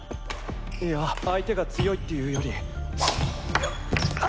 いや相手が強いっていうより。